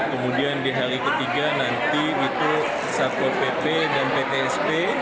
kemudian di hari ketiga nanti itu satpol pp dan ptsp